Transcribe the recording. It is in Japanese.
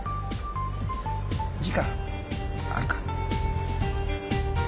時間あるか？